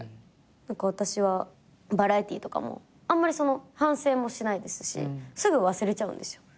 私はバラエティーとかもあんまり反省もしないですしすぐ忘れちゃうんですよ。